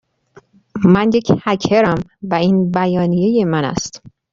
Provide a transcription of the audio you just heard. من یک هکرم، و این بیانیه من است.